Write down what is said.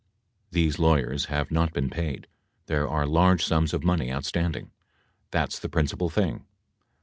These lawyers have not been paid, there are large sums of money outstanding. That's the principal thing.